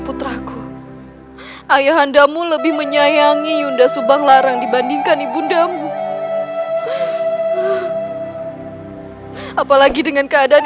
putraku ayah andamu lebih menyayangi bunda subang larang dibandingkan ibundamu apalagi dengan keadaan